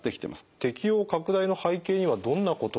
適応拡大の背景にはどんなことがありますか？